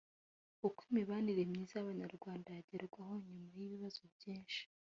uko imibanire myiza y’Abanyarwanda yagerwaho nyuma y’ibibazo byinshi